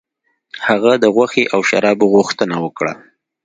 هغه د غوښې او شرابو غوښتنه وکړه.